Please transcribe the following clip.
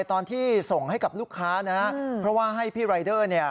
ตอนที่ส่งให้กับลูกค้านะเพราะว่าให้พี่รายเดอร์เนี่ย